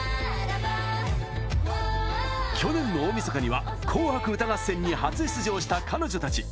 去年の大みそかには「紅白歌合戦」に初出場した彼女たち。